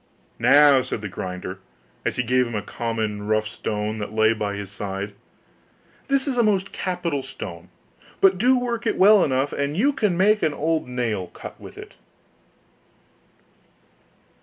'Now,' said the grinder, as he gave him a common rough stone that lay by his side, 'this is a most capital stone; do but work it well enough, and you can make an old nail cut with it.